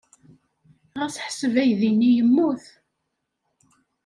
Ɣas ḥseb aydi-nni yemmut.